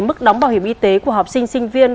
mức đóng bảo hiểm y tế của học sinh sinh viên